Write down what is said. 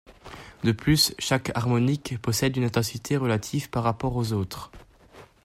De plus, chaque harmonique possède une intensité relative par rapport aux autres.